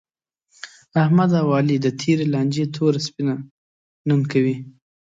احمد او علي د تېرې لانجې توره سپینه نن کوي.